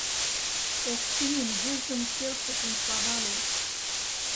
Овчинин вуйжым келшышын савале.